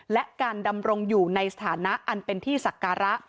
และการดำรงอยู่ในสถานะอันเป็นที่ศักระ